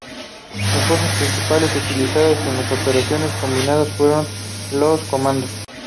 Las fuerzas principales utilizadas en las operaciones combinadas fueron los comandos.